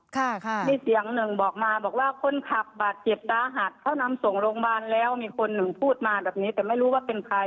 ค่ะมีเสียงหนึ่งบอกมาบอกว่าคนขับบาดเจ็บสาหัสเขานำส่งโรงพยาบาลแล้วมีคนหนึ่งพูดมาแบบนี้แต่ไม่รู้ว่าเป็นใคร